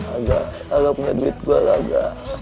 agak agak punya duit gua agak